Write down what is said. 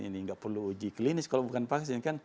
ini nggak perlu uji klinis kalau bukan vaksin kan